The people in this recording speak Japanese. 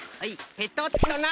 ペトッとな！